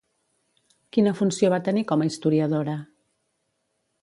Quina funció va tenir com a historiadora?